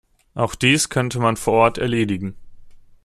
Auch dies könnte man vor Ort erledigen.